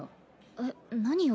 えっ何よ？